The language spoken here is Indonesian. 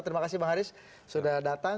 terima kasih bang haris sudah datang